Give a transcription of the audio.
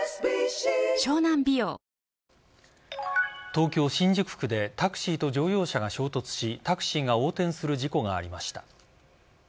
東京・新宿区でタクシーと乗用車が衝突しタクシーが横転する事故がありました。